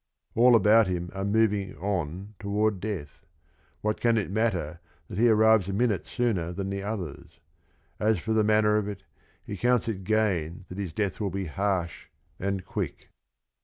All about him are moving on toward death: what can it matter that he arrives a minute sooner than the others? As for the manner of it, he counts it gain that his death will be harsh and quick.